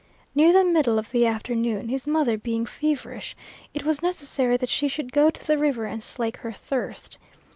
Near the middle of the afternoon, his mother being feverish, it was necessary that she should go to the river and slake her thirst.